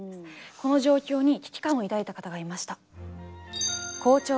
この状況に危機感を抱いた方がいました。